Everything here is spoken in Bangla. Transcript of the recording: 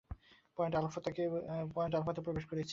পয়েন্ট আলফাতে প্রবেশ করছি।